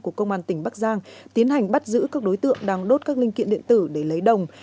của công an tỉnh bắc giang tiến hành bắt giữ các đối tượng đang đốt các linh kiện điện tử để lấy đồng